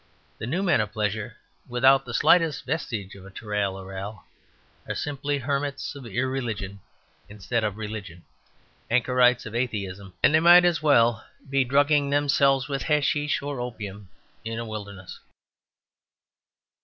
The new men of pleasure (without the slightest vestige of a tooral ooral) are simply hermits of irreligion instead of religion, anchorites of atheism, and they might as well be drugging themselves with hashish or opium in a wilderness.